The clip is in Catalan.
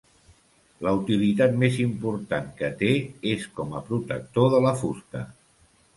La utilitat més important que té és com a protector de la fusta.